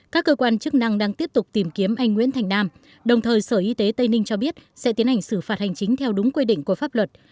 các cơ quan chức năng đang tiếp tục tìm kiếm anh nguyễn thành nam đồng thời sở y tế tây ninh cho biết sẽ tiến hành xử phạt hành chính theo đúng quy định của pháp luật